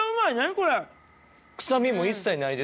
これ。